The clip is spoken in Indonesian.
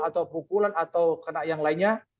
atau pukulan atau kena yang lainnya